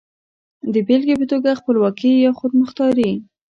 د بېلګې په توګه خپلواکي يا خودمختاري.